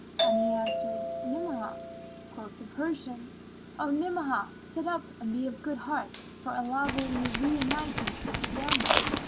and he answered "Ni'amah." Quoth the Persian, "O Ni'amah, sit up and be of good heart, for Allah will reunite thee with the damsel."